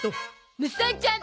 むさえちゃん。